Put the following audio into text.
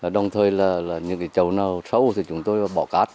đồng thời là những cái chầu nào sâu thì chúng tôi bỏ cát